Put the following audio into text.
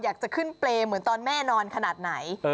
อยากจะขึ้นเปรย์เหมือนตอนแม่นอนขนาดไหน